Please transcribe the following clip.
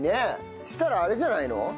そしたらあれじゃないの？